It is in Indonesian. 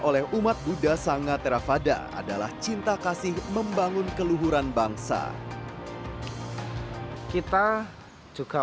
oleh umat buddha sanga terafada adalah cinta kasih membangun keluhuran bangsa kita juga